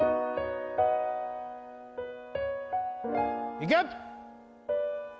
いけ！